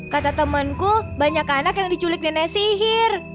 kata temanku banyak anak yang diculik nenek sihir